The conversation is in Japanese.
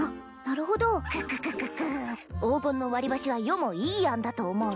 なるほど黄金の割り箸は余もいい案だと思う